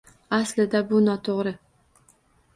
Aslida bu noto‘g‘ri.